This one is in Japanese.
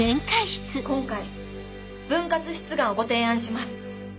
今回分割出願をご提案します。